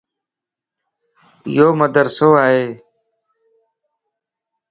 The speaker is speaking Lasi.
ايو مدرسو ائي